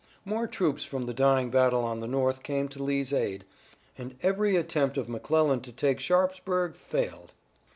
More troops from the dying battle on the north came to Lee's aid, and every attempt of McClellan to take Sharpsburg failed.